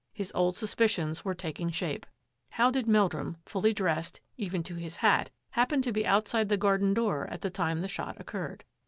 His old suspicions were taking shape. How did Meldrum, fully dressed, even to his hat, happen to be outside the garden door at the time the shot occurred?